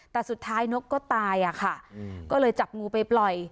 แต่สุดท้ายนกก็ตายอะค่ะก็เลยจับงูไปปล่อย